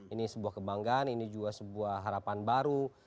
ini sebuah kebanggaan ini juga sebuah harapan baru